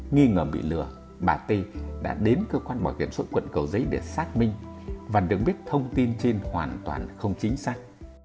nghi ngờ bị lừa bà t đã đến cơ quan bảo hiểm xuất quận cầu giấy để xác minh và được biết thông tin trên hoàn toàn không chính xác